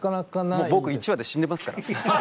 もう僕１話で死んでますから。